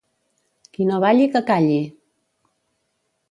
Qui no balli, que calli!